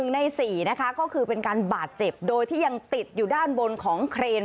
ใน๔นะคะก็คือเป็นการบาดเจ็บโดยที่ยังติดอยู่ด้านบนของเครน